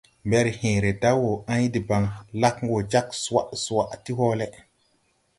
Mberhẽẽre da wɔ ãy debaŋ, lag wɔ jag swa swa ti hɔɔlɛ.